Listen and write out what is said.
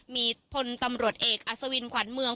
มีพลตำรวจเอกอัศวินขวัญเมือง